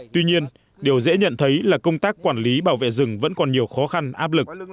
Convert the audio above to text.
tuy nhiên điều dễ nhận thấy là công tác quản lý bảo vệ rừng vẫn còn nhiều khó khăn áp lực